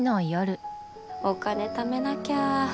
お金ためなきゃ。